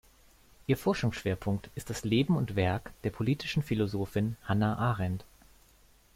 Ihr Forschungsschwerpunkt ist das Leben und Werk der politischen Philosophin Hannah Arendt.